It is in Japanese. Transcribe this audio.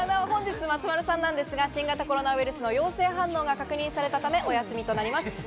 本日、松丸さんなんですが、新型コロナウイルスの陽性反応が確認されたため、お休みとなります。